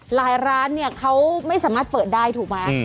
หลายร้านเขาไม่สามารถเปิดได้ถูกไหม